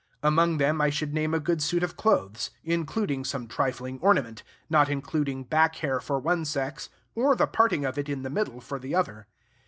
Among them I should name a good suit of clothes, including some trifling ornament, not including back hair for one sex, or the parting of it in the middle for the other.